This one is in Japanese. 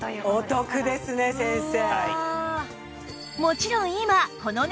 お得ですね先生。